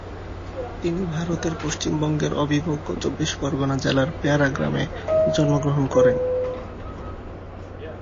তিনি ভারতের পশ্চিমবঙ্গের অবিভক্ত চব্বিশ পরগণা জেলার পেয়ারা গ্রামে জন্মগ্রহণ করেন।